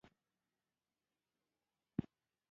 هغوی سره خبرې وکړه.